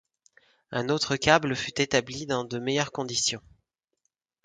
Un autre câble fut établi dans de meilleures conditions.